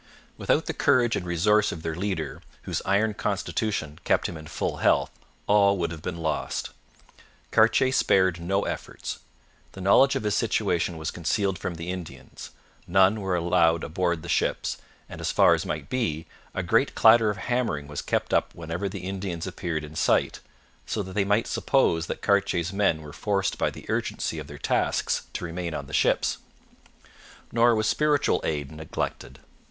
Without the courage and resource of their leader, whose iron constitution kept him in full health, all would have been lost. Cartier spared no efforts. The knowledge of his situation was concealed from the Indians. None were allowed aboard the ships, and, as far as might be, a great clatter of hammering was kept up whenever the Indians appeared in sight, so that they might suppose that Cartier's men were forced by the urgency of their tasks to remain on the ships. Nor was spiritual aid neglected.